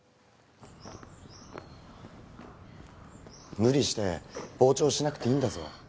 無理して傍聴しなくていいんだぞ。